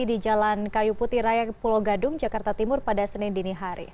di jalan kayu putih raya pulau gadung jakarta timur pada senin dini hari